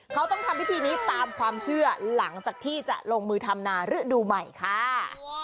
เขาต้องทำพิธีนี้ตามความเชื่อหลังจากที่จะลงมือทำนาฤดูใหม่ค่ะ